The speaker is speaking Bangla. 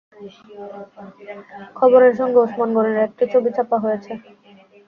খবরের সঙ্গে ওসমান গনির একটি ছবি ছাপা হয়েছে।